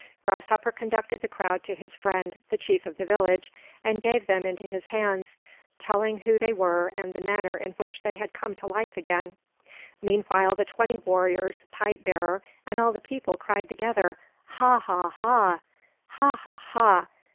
Grasshopper conducted the crowd to his friend, the chief of the village, and gave them into his hands, telling who they were and the manner in which they had come to life again. Meanwhile the twenty warriors, pipe bearer, and all the people cried together: "Ha, ha, ha, ha, ha, ha!